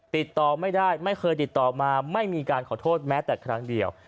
ติดต่อไม่ได้ไม่เคยติดต่อมาไม่มีการขอโทษแม้แต่ครั้งเดียว